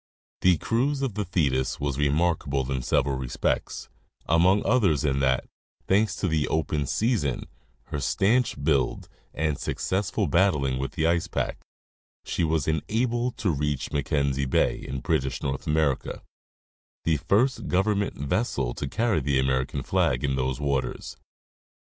The cruise of the Thetis was remarkable in several respects, among others in that, thanks to the open season, her stanch build, and successful battling with the ice pack, she was enabled to reach Mackenzie bay, in British North America, the first government vessel to carry the American flag in those waters.